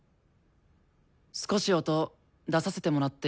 少し音出させてもらっていいですか？